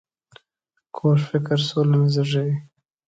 کوږ فکر سوله نه زېږوي